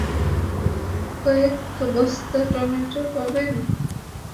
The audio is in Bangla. কয়েক বস্তা টমেটোর পাবেন।